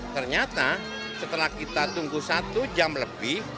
ternyata setelah kita tunggu satu jam lebih